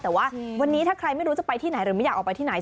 แต่ว่าวันนี้ถ้าใครไม่รู้จะไปที่ไหนหรือไม่อยากออกไปที่ไหน